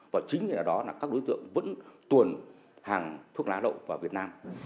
và chính ở đó là các đối tượng vẫn tuồn hàng thuốc lá lậu vào việt nam